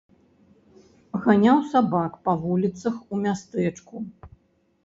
Ганяў сабак па вуліцах у мястэчку.